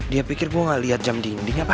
dia pikir gue gak liat jam dinding apa